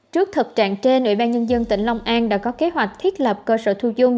trước thực trạng trên ubnd tỉnh long an đã có kế hoạch thiết lập cơ sở thu dung